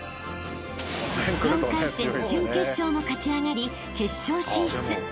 ［４回戦準決勝も勝ち上がり決勝進出］